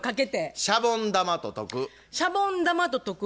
シャボン玉ととく。